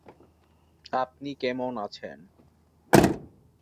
German প্রকৌশলীরা দ্বীপটির bauxite এবং ফসফেট আবিষ্কার করে সেখান থেকে ধাতু নিষ্কাশন করেন।